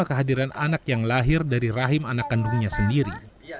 kehadiran anak yang lahir dari rahim anak kandungnya sendiri